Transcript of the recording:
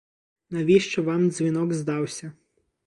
Навіщо вам дзвінок здався?